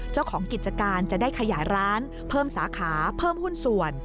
เจ้าของกิจการจะได้ขยายร้านเพิ่มสาขาเพิ่มหุ้นส่วน